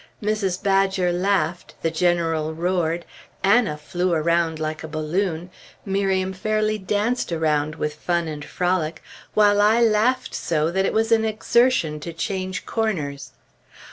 Mrs. Badger laughed, the General roared, Anna flew around like a balloon, Miriam fairly danced around with fun and frolic, while I laughed so that it was an exertion to change corners.